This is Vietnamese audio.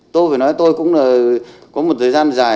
tôi phải nói tôi cũng là có một thời gian dài